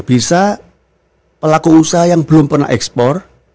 bisa pelaku usaha yang belum pernah ekspor